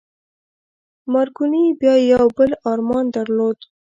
مارکوني بيا يو بل ارمان درلود.